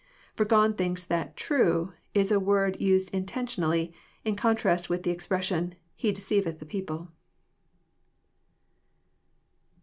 Burgon thinks that <^ true *' is a word used intentionally, im contrast with the expression, *' He deceiveth the people."